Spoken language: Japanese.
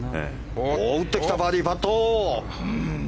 おっと来たバーディーパット。